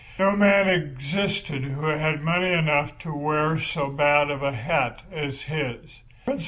No man existed who had money enough to wear so bad a hat as his.